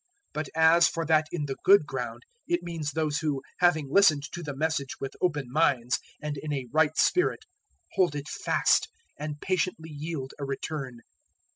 008:015 But as for that in the good ground, it means those who, having listened to the Message with open minds and in a right spirit, hold it fast, and patiently yield a return.